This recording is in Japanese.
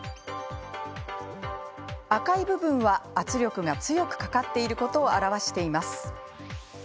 赤い部分は圧力が強くかかっていることを表しています。